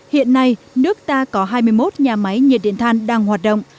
hiện nay nước ta có hai mươi một nhà máy nhiệt điện than đang hoạt động